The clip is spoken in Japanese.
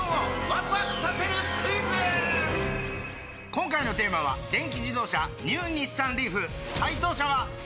今回のテーマは電気自動車ニュー日産リーフ解答者は三四郎！